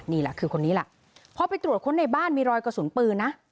นี่แหละคือคนนี้แหละพอไปตรวจค้นในบ้านมีรอยกระสุนปืนนะ